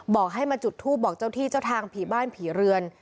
บอกให้มาจุดทูปบอกเจ้าที่เจ้าทางผีบ้านผีเรือน